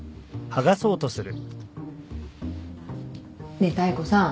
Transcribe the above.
ねえ妙子さん。